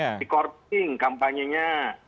atau disekorting kampanyenya